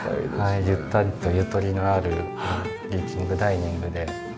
はいゆったりとゆとりのあるリビングダイニングで。